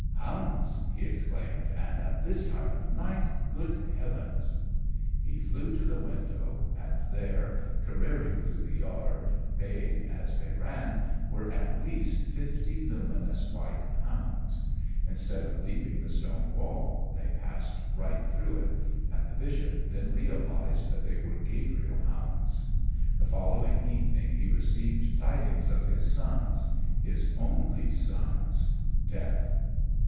"Hounds!" he exclaimed. "And at this time of night! Good heavens!" He flew to the window, and there, careering through the yard, baying as they ran, were, at least, fifty luminous, white hounds. Instead of leaping the stone wall, they passed right through it, and the bishop then realized that they were Gabriel Hounds. The following evening he received tidings of his son's his only son's death.